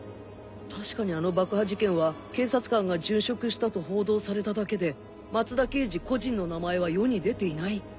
確かにあの爆破事件は警察官が殉職したと報道されただけで松田刑事個人の名前は世に出ていない